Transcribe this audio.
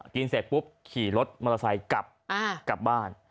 เสร็จปุ๊บขี่รถมอเตอร์ไซค์กลับกลับบ้าน